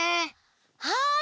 はい！